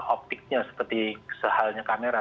optiknya seperti sehalnya kamera